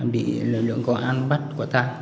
bị lực lượng công an bắt của ta